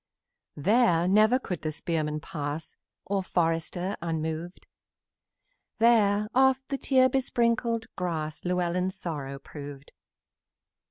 Here never could the spearman pass, Or forester, unmoved! Here oft the tear besprinkled grass Llewellyn's sorrow proved.